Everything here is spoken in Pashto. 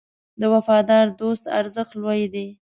د وفادار دوست ارزښت لوی دی.